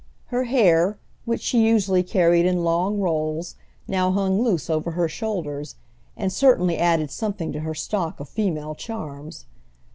Her hair, which she usually carried in long rolls, now hung loose over her shoulders, and certainly added something to her stock of female charms.